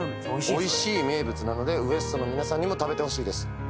美味しい名物なのでＷＥＳＴの皆さんにも食べて欲しいです